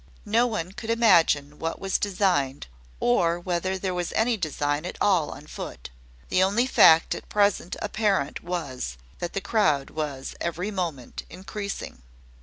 No one could imagine what was designed, or whether there was any design at all on foot. The only fact at present apparent was, that the crowd was every moment increasing.